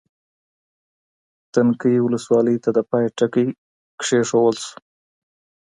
تنکۍ ولسواکۍ ته د پای ټکی کېښودل سو.